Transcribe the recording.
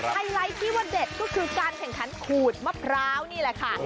ไฮไลท์ที่ว่าเด็ดก็คือการแข่งขันขูดมะพร้าวนี่แหละค่ะ